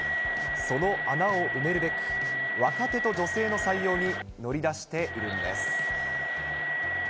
その穴を埋めるべく、若手と女性の採用に乗り出しているんです。